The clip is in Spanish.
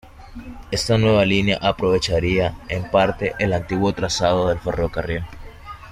Esta nueva línea aprovecharía en parte el antiguo trazado del ferrocarril.